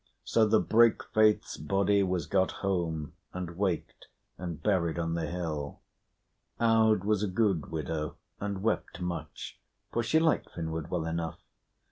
So the break faith's body was got home, and waked, and buried on the hill. Aud was a good widow and wept much, for she liked Finnward well enough.